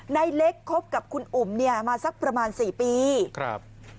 ในเล็กคบกับคุณอุ๋มเนี่ยมาสักประมาณสี่ปีครับ